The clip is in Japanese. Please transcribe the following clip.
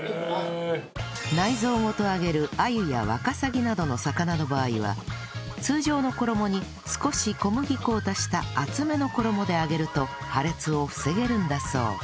内臓ごと揚げる鮎やワカサギなどの魚の場合は通常の衣に少し小麦粉を足した厚めの衣で揚げると破裂を防げるんだそう